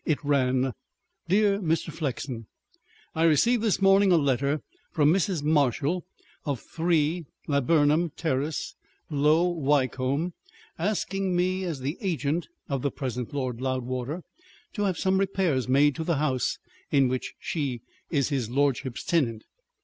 It ran: "Dear Mr. Flexen, "I received this morning a letter from Mrs. Marshall, of 3, Laburnum Terrace, Low Wycombe, asking me, as the agent of the present Lord Loudwater, to have some repairs made to the house in which she is his lordship's tenant.